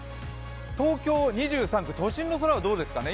東京２３区、都心の空はどうですかね。